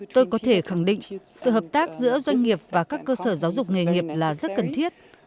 tôi có thể khẳng định sự hợp tác giữa doanh nghiệp và các cơ sở giáo dục nghề nghiệp là rất cần thiết